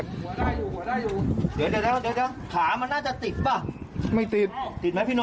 เดี๋ยวขามันน่าจะติดป่ะ